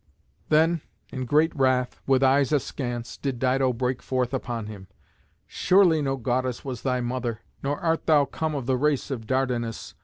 Then, in great wrath, with eyes askance, did Dido break forth upon him: "Surely no goddess was thy mother, nor art thou come of the race of Dardanus.